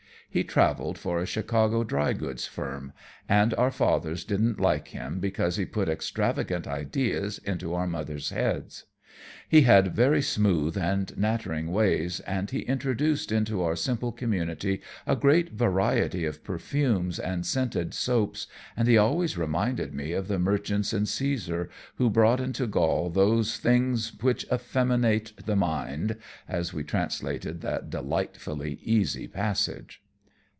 He traveled for a Chicago dry goods firm, and our fathers didn't like him because he put extravagant ideas into our mothers' heads. He had very smooth and nattering ways, and he introduced into our simple community a great variety of perfumes and scented soaps, and he always reminded me of the merchants in Cæsar, who brought into Gaul "those things which effeminate the mind," as we translated that delightfully easy passage.